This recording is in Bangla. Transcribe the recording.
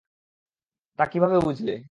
তা কীভাবে বুঝলে?